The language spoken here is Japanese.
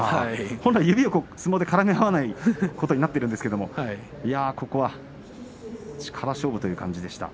本来は相撲で指を絡め合わないことになっているんですけどここは力勝負という感じでした。